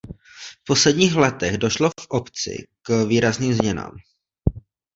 V posledních letech došlo v obci k výrazným změnám.